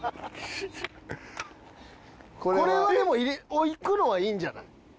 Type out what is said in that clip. これはでも置くのはいいんじゃない？